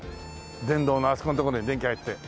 電動のあそこのところに電気入って。